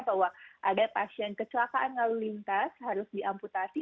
bahwa ada pasien kecelakaan lalu lintas harus diamputasi